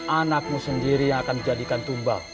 anakmu sendiri yang akan menjadikan tumbal